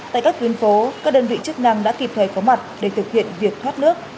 tại các tuyến phố các đơn vị chức năng đã kịp thời có mặt để thực hiện việc thoát nước